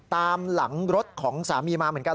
ตามหลังรถของสามีมาเหมือนกัน